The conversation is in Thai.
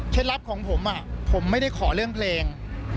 ลับของผมผมไม่ได้ขอเรื่องเพลง